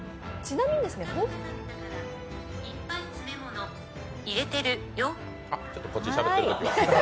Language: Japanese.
いっぱい詰め物入れてるよ。